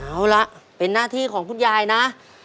เอาล่ะเป็นหน้าที่ของคุณยายนะ